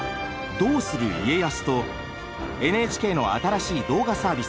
「どうする家康」とＮＨＫの新しい動画サービス